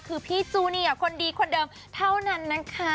คือพี่จูเนียคนดีคนเดิมเท่านั้นนะคะ